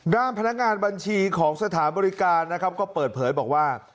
ด้านพนักงานบัญชีของสถานบริการนะครับก็เปิดเผยบอกว่า